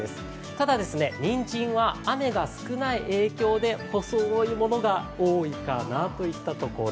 ただにんじんは雨が少ない影響で細いものが多いかなといったところ。